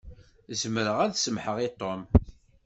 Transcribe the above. Zemreɣ ad semmḥeɣ i Tom.